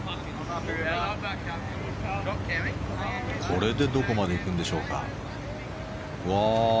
これでどこまで行くんでしょうか。